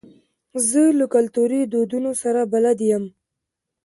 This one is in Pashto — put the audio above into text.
زه له کلتوري دودونو سره بلد یم.